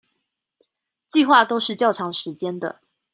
計畫都是較長時間的